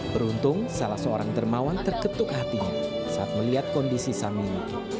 beruntung salah seorang dermawan terketuk hatinya saat melihat kondisi samini